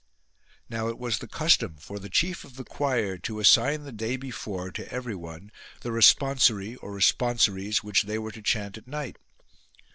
Now it was the custom for the chief of the choir to assign the day before to everyone the responsory or responsories which they were to chant at night.